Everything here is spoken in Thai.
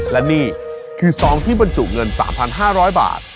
และนี่คือซองที่บรรจุเงิน๓๕๐๐บาท